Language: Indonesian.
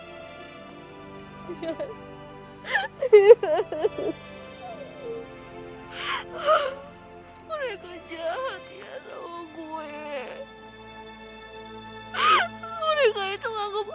sampai jumpa di video selanjutnya